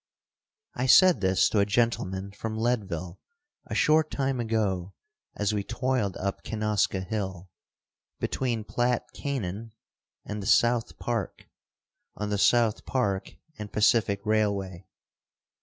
I said this to a gentleman from Leadville a short time ago as we toiled up Kenoska Hill, between Platte canon and the South Park, on the South Park and Pacific Railway.